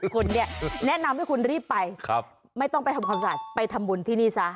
คุณเนี่ยแนะนำให้คุณรีบไปไม่ต้องไปทำความสะอาดไปทำบุญที่นี่ซะ